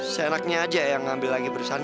se enak nya saja yang ngambil lagi perusahaan